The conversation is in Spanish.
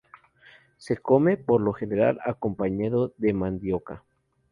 Se come, por lo general, acompañado de mandioca.